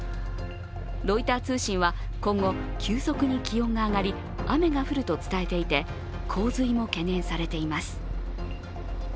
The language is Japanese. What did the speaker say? ロイター通信は今後、急速に気温が上がり雨が降ると伝えていて洪水も懸念されています。